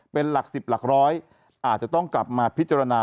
เป็นหลัก๑๐หลักร้อยอาจจะต้องกลับมาพิจารณา